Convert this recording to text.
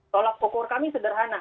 tolak ukur kami sederhana